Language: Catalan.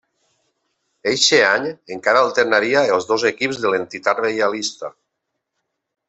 Eixe any encara alternaria els dos equips de l'entitat reialista.